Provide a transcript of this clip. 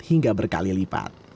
hingga berkali lipat